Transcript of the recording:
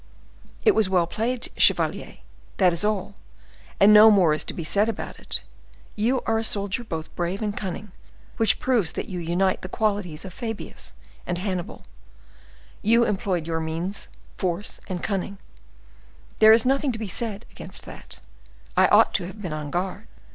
"It was well played, chevalier, that is all, and no more is to be said about it: you are a soldier, both brave and cunning, which proves that you unite the qualities of Fabius and Hannibal. You employed your means, force and cunning: there is nothing to be said against that: I ought to have been on guard."